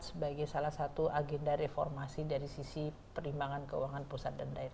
sebagai salah satu agenda reformasi dari sisi perimbangan keuangan pusat dan daerah